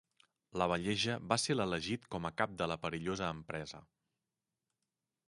Lavalleja va ser l'elegit com a cap de la perillosa empresa.